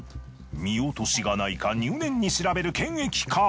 見落としがないか入念に調べる検疫官。